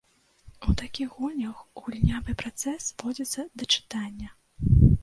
У такіх гульнях гульнявы працэс зводзіцца да чытання.